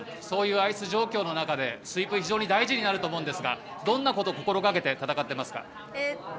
そういうアイス状況の中でスイープが非常に大事になると思いますがどんなことを心がけて戦ってますか？